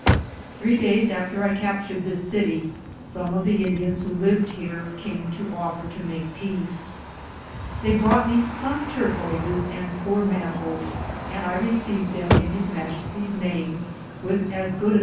Three days after I captured this city, some of the Indians who lived here came to offer to make peace. They brought me some tur quoises and poor mantles, aud I received them in His Majesty's name with as good a